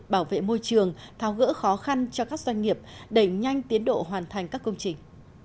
bảo vệ môi trường tháo gỡ khó khăn cho các doanh nghiệp đẩy nhanh tiến độ hoàn thành các công trình